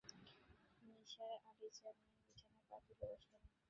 নিসার আলি চা নিয়ে বিছানায় পা তুলে বসলেন।